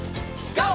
ＧＯ！